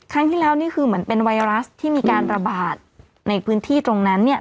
ครั้งที่แล้วนี่คือเหมือนเป็นไวรัสที่มีการระบาดในพื้นที่ตรงนั้นเนี่ย